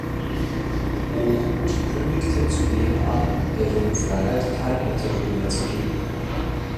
Hochhuth kündigte zudem an, der Jungen Freiheit kein Interview mehr zu geben.